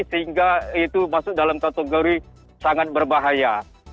sehingga itu masuk dalam kategori sangat berbahaya